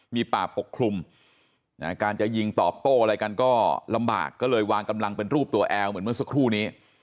มีป่าปกคลุมการจะยิงตอบโต้อะไรกันก็ลำบากก็เลยวางกำลังเป็นรูปตัวแอลเหมือนเมื่อสักครู่นี้